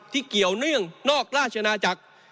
เกี่ยวเนื่องนอกราชนาจักร